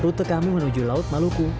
rute kami menuju laut maluku